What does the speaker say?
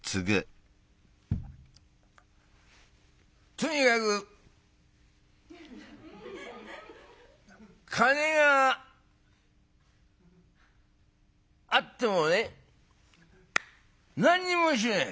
「とにかく金があってもね何にもしねえ。